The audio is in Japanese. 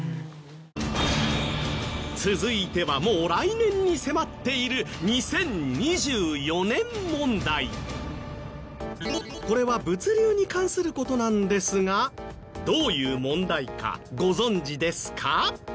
続いてはもう来年に迫っているこれは物流に関する事なんですがどういう問題かご存じですか？